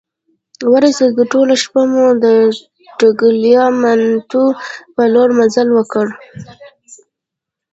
ورسیدو، ټوله شپه مو د ټګلیامنتو په لور مزل وکړ.